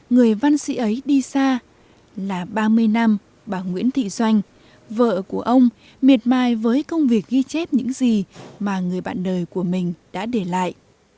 người văn sĩ ấy đi xa là ba mươi năm bà nguyễn thị doanh vợ của ông miệt mài với công việc ghi chép những gì mà người bạn đời của mình đã để lại